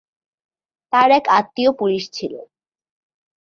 তার এক আত্নীয় পুলিশ ছিল।